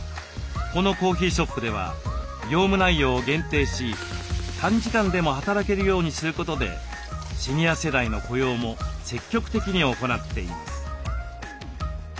このコーヒーショップでは業務内容を限定し短時間でも働けるようにすることでシニア世代の雇用も積極的に行っています。